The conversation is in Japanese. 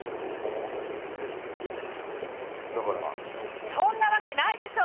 えっだからキノコそんなわけないでしょ！